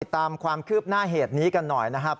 ตามความคืบหน้าเหตุนี้กันหน่อยนะครับ